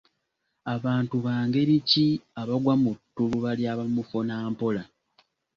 Bantu ba ngeri ki abagwa mu ttuluba lya bamufunampola?